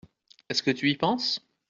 Est-ce que tu y penses ?